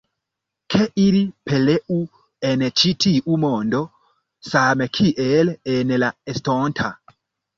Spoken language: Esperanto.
Ke ili pereu en ĉi tiu mondo, same kiel en la estonta!